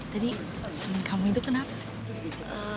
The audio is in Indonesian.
tadi temen kamu itu kenapa